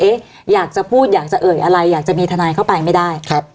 อยากจะพูดอยากจะเอ่ยอะไรอยากจะมีทนายเข้าไปไม่ได้ครับ